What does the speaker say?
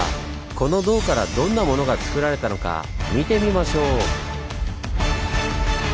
この銅からどんなものがつくられたのか見てみましょう！